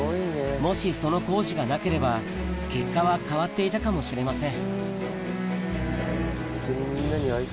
もしその工事がなければ結果は変わっていたかもしれません